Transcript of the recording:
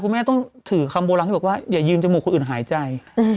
แม่ต้องถือคำโบราณที่บอกว่าอย่ายืมจมูกคนอื่นหายใจ